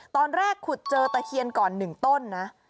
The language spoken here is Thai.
ตอนแรกขุดเจอตะเคียนก่อน๑ต้นนะ